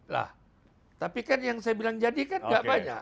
lah tapi kan yang saya bilang jadi kan gak banyak